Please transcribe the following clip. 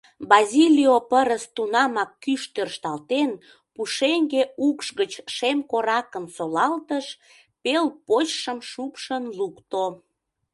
Базилио пырыс тунамак, кӱш тӧршталтен, пушеҥге укш гыч шемкоракым солалтыш, пел почшым шупшын лукто.